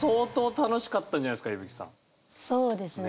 そうですね。